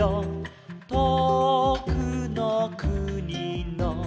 「とおくのくにの」